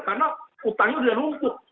karena utangnya sudah dihubungkan